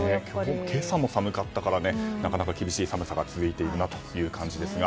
今朝も寒かったからなかなか厳しい寒さが続いているなという感じですが。